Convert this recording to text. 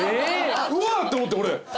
うわ！って思って俺。